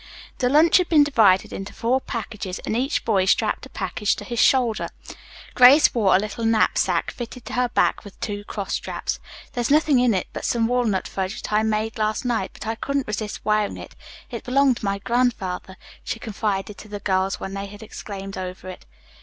The lunch had been divided into four packages and each boy strapped a package to his shoulder. Grace wore a little knapsack fitted to her back with two cross straps. "There's nothing in it but some walnut fudge that I made last night, but I couldn't resist wearing it. It belonged to my grandfather," she confided to the girls when they had exclaimed over it.